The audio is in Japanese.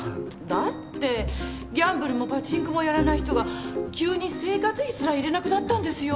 だってギャンブルもパチンコもやらない人が急に生活費すら入れなくなったんですよ。